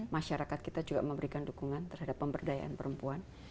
masyarakat kita juga memberikan dukungan terhadap pemberdayaan perempuan